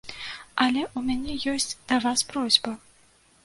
Але ў мяне ёсць да вас просьба.